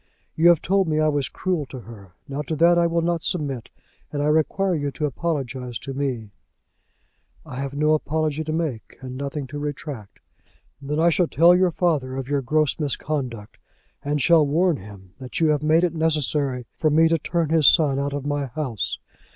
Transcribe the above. You have told me I was cruel to her. Now to that I will not submit, and I require you to apologize to me." "I have no apology to make, and nothing to retract." "Then I shall tell your father of your gross misconduct, and shall warn him that you have made it necessary for me to turn his son out of my house.